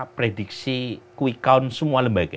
prediksi quick count semua lembaga